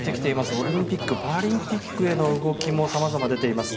オリンピック・パラリンピックへの動きもさまざま出ています。